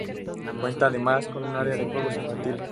Cuenta además con un área de juegos infantiles.